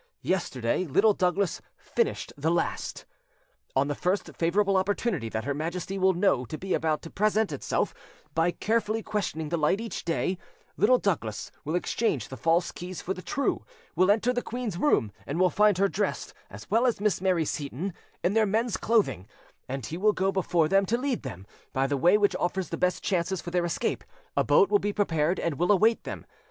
Yesterday Little Douglas finished the last. "On the first favourable opportunity that her Majesty will know to be about to present itself, by carefully questioning the light each day, Little Douglas will exchange the false keys for the true, will enter the queen's room, and will find her dressed, as well as Miss Mary Seyton, in their men's clothing, and he will go before them to lead them, by the way which offers the best chances for their escape; a boat will be prepared and will await them.